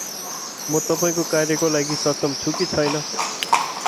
म तपाईंको कार्यको लागि सक्षम छु कि छैन?